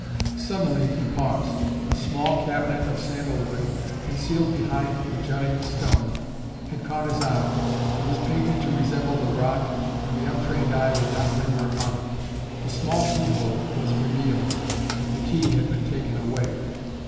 Suddenly he paused. A small cabinet of sandal wood, concealed behind the jutting stone, had caught his eye. It was painted to resemble the rock and the untrained eye would not linger upon it. A small keyhole was revealed, but the key had been taken away.